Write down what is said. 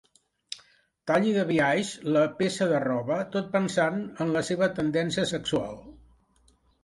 Talli de biaix la peça de roba tot pensant en la seva tendència sexual.